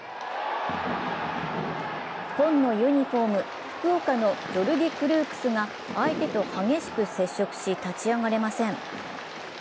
紺のユニフォーム、福岡のジョルディ・クルークスが相手と激しく接触し立ち上がれません。